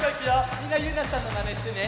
みんなゆうなちゃんのまねしてね！